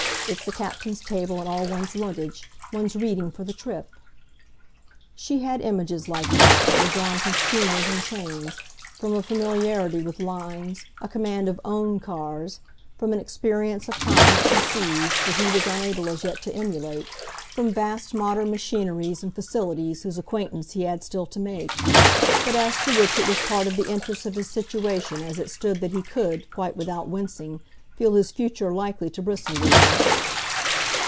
It's the captain's table and all one's luggage one's reading for the trip." She had images, like that, that were drawn from steamers and trains, from a familiarity with "lines," a command of "own" cars, from an experience of continents and seas, that he was unable as yet to emulate; from vast modern machineries and facilities whose acquaintance he had still to make, but as to which it was part of the interest of his situation as it stood that he could, quite without wincing, feel his future likely to bristle with them.